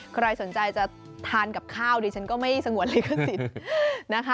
ใครสนใจจะทานกับข้าวดิฉันก็ไม่สงวนลิขสิทธิ์นะคะ